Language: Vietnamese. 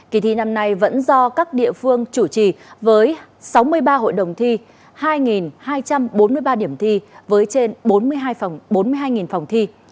kỳ thi năm nay vẫn do các địa phương chủ trì với sáu mươi ba hội đồng thi hai hai trăm bốn mươi ba điểm thi với trên bốn mươi hai bốn mươi hai phòng thi